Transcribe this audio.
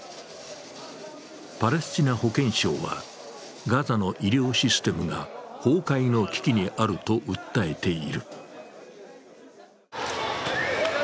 パレスチナ保健省は、ガザの医療システムが崩壊の危機にあると訴えている。